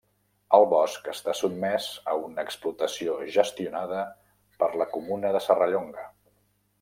El bosc està sotmès a una explotació gestionada per la comuna de Serrallonga.